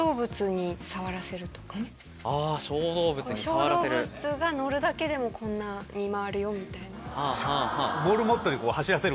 「小動物が乗るだけでもこんなに回るよ」みたいな。